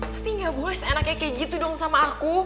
tapi gak boleh seenak kayak gitu dong sama aku